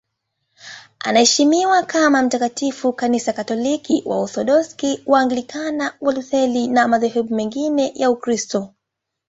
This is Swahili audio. Anaheshimiwa kama mtakatifu na Kanisa Katoliki, Waorthodoksi, Waanglikana, Walutheri na madhehebu mengine ya Ukristo.